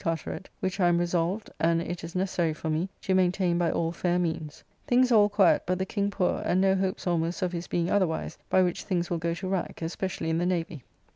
Carteret, which I am resolved, and it is necessary for me, to maintain by all fair means. Things are all quiett, but the King poor, and no hopes almost of his being otherwise, by which things will go to rack, especially in the Navy.